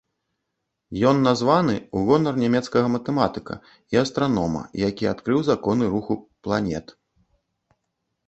Ён названы ў гонар нямецкага матэматыка і астранома, які адкрыў законы руху планет.